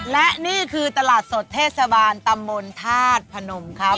และนี่คือตลาดสดเทศบาลตำบลธาตุพนมครับ